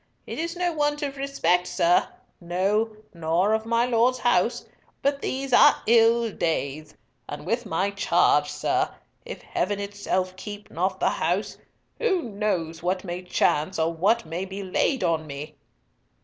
It is no want of respect, sir. No; nor of my Lord's house; but these are ill days, and with my charge, sir—if Heaven itself keep not the house—who knows what may chance or what may be laid on me?"